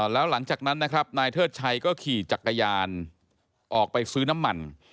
แล้วหลังจากนั้นนะครับนายเทิดชัยก็ขี่จักรยานออกไปซื้อน้ำมัน